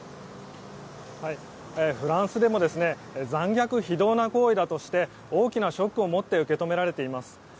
フランスでも残虐非道な行為だとして大きなショックを持って受け止められています。